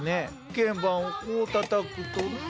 けん盤をこうたたくとな。